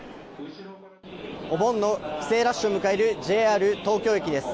お盆の帰省ラッシュを迎える、ＪＲ東京駅です。